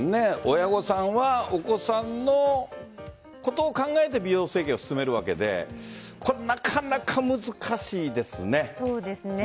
親御さんは、お子さんのことを考えて美容整形を勧めるわけでそうですね。